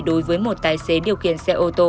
đối với một tài xế điều khiển xe ô tô